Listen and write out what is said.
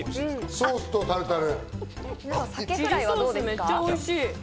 ソースとタルタル。